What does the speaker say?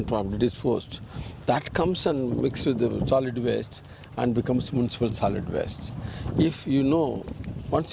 itu akan ditempelkan dengan basah yang solid dan menjadi basah yang solid yang muncul